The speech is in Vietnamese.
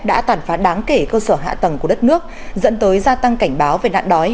đã tàn phá đáng kể cơ sở hạ tầng của đất nước dẫn tới gia tăng cảnh báo về nạn đói